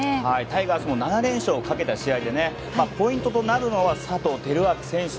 タイガースも７連勝をかけた試合でポイントとなるのは佐藤輝明選手。